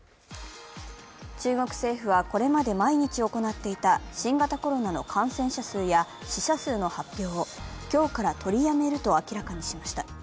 中国政府はこれまで毎日行っていた新型コロナの感染者数や死者数の発表を今日から取りやめると明らかにしました。